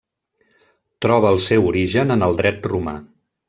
Troba el seu origen en el dret romà.